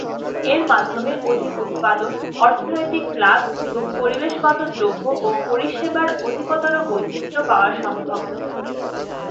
এর মাধ্যমে অধিক উৎপাদন, অর্থনৈতিক লাভ, এবং পরিবেশগত দ্রব্য ও পরিষেবার অধিকতর বৈচিত্র পাওয়া সম্ভব।